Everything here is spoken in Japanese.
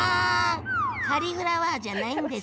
カリフラワーじゃないんですね。